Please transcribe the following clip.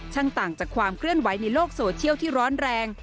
ต่างจากความเคลื่อนไหวในโลกโซเชียลที่ร้อนแรง